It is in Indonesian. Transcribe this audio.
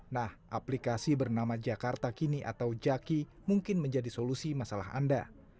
nah aplikasi bernama jakarta kini atau jaki mungkin menjadi solusi masalah anda